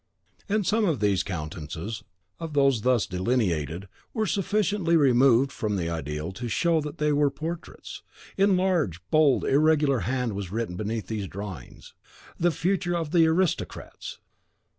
And some of the countenances of those thus delineated were sufficiently removed from the ideal to show that they were portraits; in a large, bold, irregular hand was written beneath these drawings, "The Future of the Aristocrats."